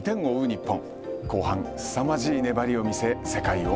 日本！